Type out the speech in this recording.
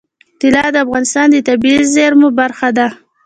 طلا د افغانستان د طبیعي زیرمو برخه ده.